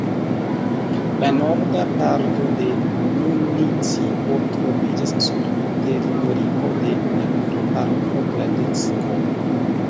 La norda parto de municipo troviĝas sur teritorio de naturparko Kladecko.